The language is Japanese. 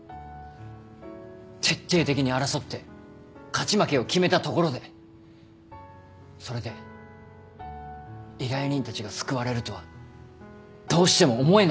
徹底的に争って勝ち負けを決めたところでそれで依頼人たちが救われるとはどうしても思えないんだ。